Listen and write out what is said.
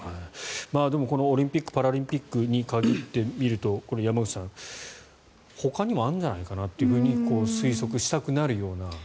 でもこのオリンピック・パラリンピックに限ってみると山口さんほかにもあるんじゃないかなと推測したくなるような。